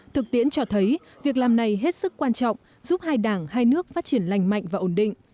thực tiễn cho thấy việc làm này hết sức quan trọng giúp hai đảng hai nước phát triển lành mạnh và ổn định